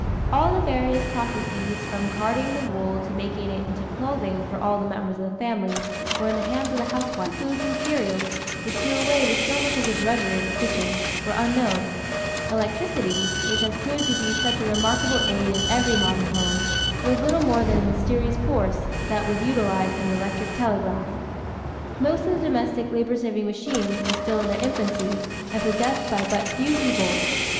All the various processes from carding the wool to making it into clothing for all the members of the family were in the hands of the housewife. Ready made clothing was far from being as common and inexpensive as it is now. Canned foods and cereals, which do away with so much of the drudgery of the kitchen, were unknown. Electricity, which has proved to be such a remarkable aid in every modern home, was little more than a mysterious force that was utilized in the electric telegraph. Most of the domestic labor saving machines were still in their infancy and possessed by but few people.